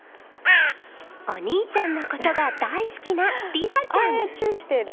お兄ちゃんのことが大好きな里彩ちゃん。